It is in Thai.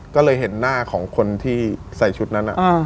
ก็เลยน่าของคนที่ใส่ชุดนั่นอ่ะ